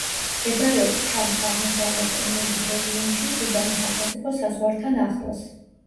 მდებარეობს ჩადის აღმოსავლეთ ენედის რეგიონში, სუდანის სახელმწიფო საზღვართან ახლოს.